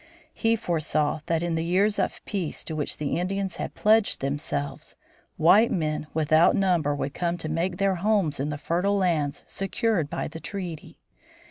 He foresaw that in the years of peace to which the Indians had pledged themselves, white men without number would come to make their homes in the fertile lands secured by the treaty.